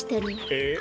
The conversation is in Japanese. えっ？